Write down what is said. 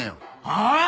はあ！？